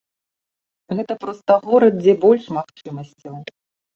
Гэта проста горад, дзе больш магчымасцяў.